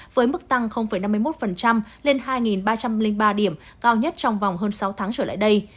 với mức tăng năm mươi một lên hai ba trăm linh ba điểm cao nhất trong vòng hơn sáu tháng trở lại đây